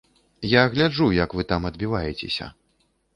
Я гляджу, як вы там адбіваецеся.